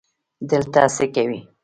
دلته څه کوې؟